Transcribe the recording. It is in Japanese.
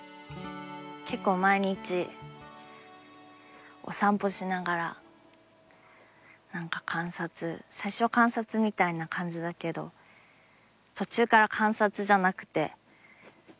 結構毎日お散歩しながら何か観察最初は観察みたいな感じだけど途中から観察じゃなくて描きたいもの描くみたいになって。